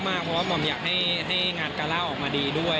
เพราะว่าหม่อมอยากให้งานการ่าออกมาดีด้วย